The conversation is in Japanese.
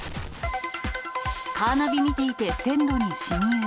カーナビ見ていて線路に進入。